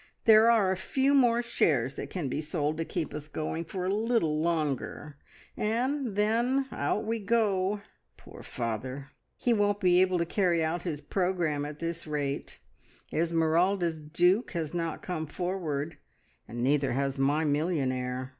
There are a few more shares that can be sold to keep us going for a little longer, and then out we go. Poor father, he won't be able to carry out his programme at this rate. Esmeralda's duke has not come forward, and neither has my millionaire.